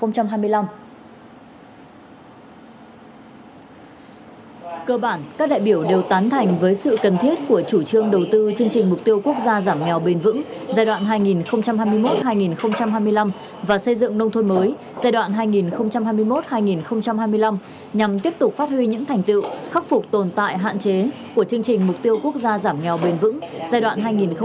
cơ bản các đại biểu đều tán thành với sự cần thiết của chủ trương đầu tư chương trình mục tiêu quốc gia giảm nghèo bền vững giai đoạn hai nghìn hai mươi một hai nghìn hai mươi năm và xây dựng nông thôn mới giai đoạn hai nghìn hai mươi một hai nghìn hai mươi năm nhằm tiếp tục phát huy những thành tựu khắc phục tồn tại hạn chế của chương trình mục tiêu quốc gia giảm nghèo bền vững giai đoạn hai nghìn một mươi sáu hai nghìn hai mươi